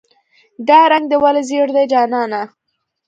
"دا رنګ دې ولې زیړ دی جانانه".